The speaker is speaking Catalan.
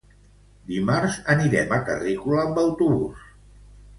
Dimarts anirem a Carrícola amb autobús.